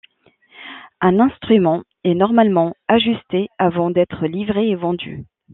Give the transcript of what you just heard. Un instrument est normalement ajusté avant d'être livré et vendu.